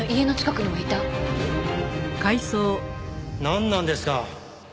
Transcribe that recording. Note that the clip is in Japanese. なんなんですか？